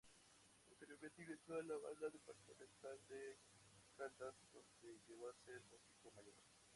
Posteriormente ingresó a la Banda Departamental de Caldas, donde llegó a ser músico mayor.